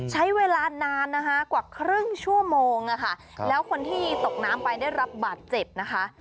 ใช้เวลานานนะคะกว่าครึ่งชั่วโมงค่ะแล้วคนที่ตกน้ำไปได้รับบาดเจ็บนะคะ